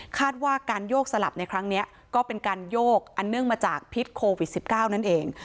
ว่าการโยกสลับในครั้งนี้ก็เป็นการโยกอันเนื่องมาจากพิษโควิด๑๙นั่นเอง